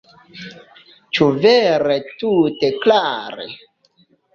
Ĉu vere tute klare?